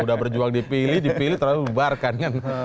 sudah berjuang dipilih dipilih terus dibubarkan kan